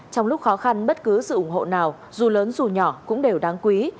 trong lúc khó khăn bất cứ sự ủng hộ nào dù lớn dù nhỏ cũng đều đáng quý